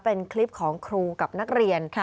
เป็นคลิปของครูกับนักเรียน